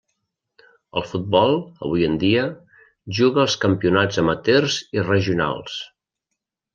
El futbol, avui en dia, juga els campionats amateurs i regionals.